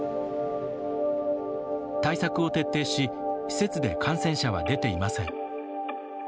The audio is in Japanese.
対策を徹底し施設で感染者は出ていません。